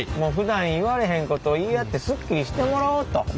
ふだん言われへんことを言い合ってすっきりしてもらおうと。